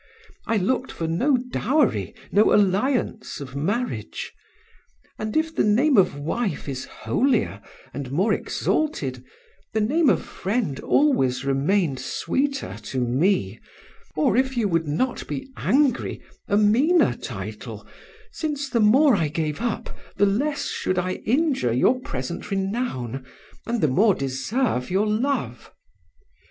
I looked for no dowry, no alliance of marriage. And if the name of wife is holier and more exalted, the name of friend always remained sweeter to me, or if you would not be angry, a meaner title; since the more I gave up, the less should I injure your present renown, and the more deserve your love.